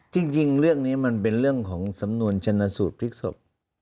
จริงเรื่องนี้มันเป็นเรื่องของสำนวนชนะสูตรพลิกศพ